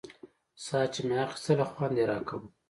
ساه چې مې اخيستله خوند يې راکاوه.